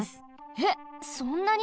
えっそんなに？